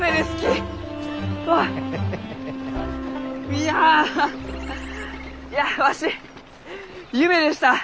いやいやわし夢でした。